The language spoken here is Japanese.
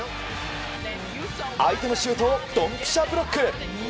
相手のシュートをドンピシャブロック！